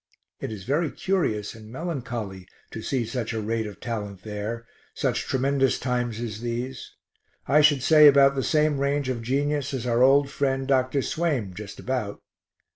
It is very curious and melancholy to see such a rate of talent there, such tremendous times as these I should say about the same range of genius as our old friend Dr. Swaim, just about.